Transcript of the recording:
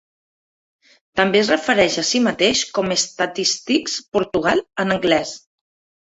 També es refereix a si mateix com Statistics Portugal, en anglès.